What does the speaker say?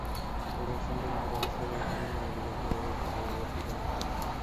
পরে আশঙ্কাজনক অবস্থায় তাঁকে কুমিল্লা মেডিকেল কলেজ হাসপাতালে ভর্তি করা হয়।